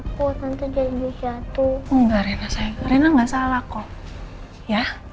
karena gak salah kok ya